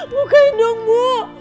bukain dong bu